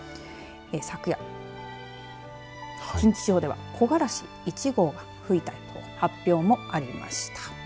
昨夜近畿地方では木枯らし１号が吹いた発表もありました。